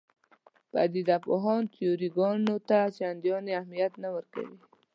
پدیده پوهان تیوري ګانو ته چندانې اهمیت نه ورکوي.